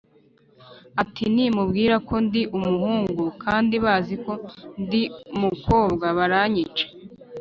Ati «nimubwira ko ndi umuhungu kandi bazi ko ndimukobwa baranyica